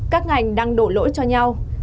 các ngành đang đổ lỗi cho nhau